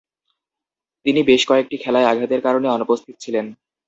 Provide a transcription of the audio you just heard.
তিনি বেশ কয়েকটি খেলায় আঘাতের কারণে অনুপস্থিত ছিলেন।